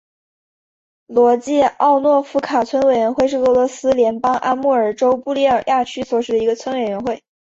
罗季奥诺夫卡村委员会是俄罗斯联邦阿穆尔州布列亚区所属的一个村委员会。